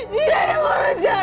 dia yang nganjur